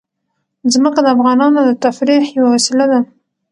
ځمکه د افغانانو د تفریح یوه وسیله ده.